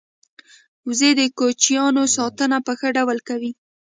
وزې د کوچنیانو ساتنه په ښه ډول کوي